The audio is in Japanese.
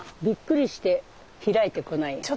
びっくりして開いてこない。